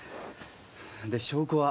で証拠は？